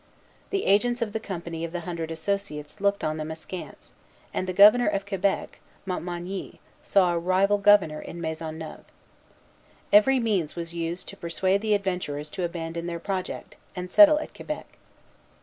The agents of the Company of the Hundred Associates looked on them askance; and the Governor of Quebec, Montmagny, saw a rival governor in Maisonneuve. Every means was used to persuade the adventurers to abandon their project, and settle at Quebec.